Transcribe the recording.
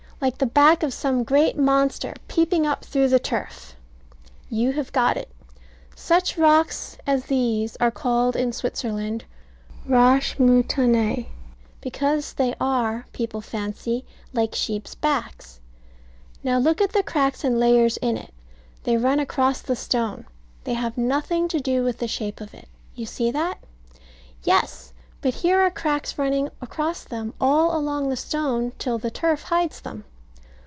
Like the back of some great monster peeping up through the turf. You have got it. Such rocks as these are called in Switzerland "roches moutonnees," because they are, people fancy, like sheep's backs. Now look at the cracks and layers in it. They run across the stone; they have nothing to do with the shape of it. You see that? Yes: but here are cracks running across them, all along the stone, till the turf hides them.